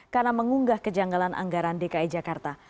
karena mengunggah kejanggalan anggaran dki jakarta